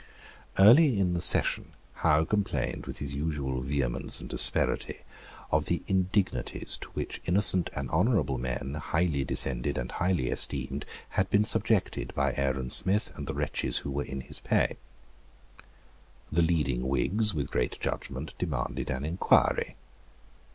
Early in the session Howe complained, with his usual vehemence and asperity, of the indignities to which innocent and honourable men, highly descended and highly esteemed, had been subjected by Aaron Smith and the wretches who were in his pay. The leading Whigs, with great judgment, demanded an inquiry.